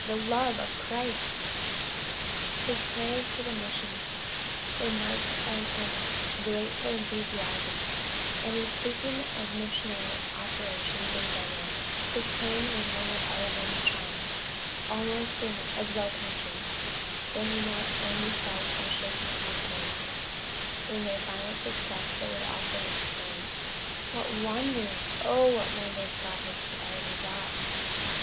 the love of Christ!" His prayers for the mission were marked by an earnest, grateful enthusiasm, and in speaking of missionary operations in general, his tone was one of elevated triumph, almost of exultation for he not only felt an unshaken confidence in their final success but would often exclaim, "What wonders oh, what wonders God has already wrought!"